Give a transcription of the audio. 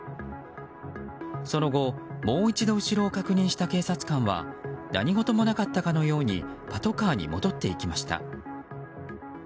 その後、もう一度後ろを確認した警察官は何事もなかったかのようにパトカーに戻っていきました。